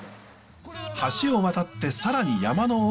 橋を渡って更に山の奥へ。